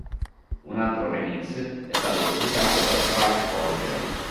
Un altro remix è stato pubblicato dalla Dark Polo Gang.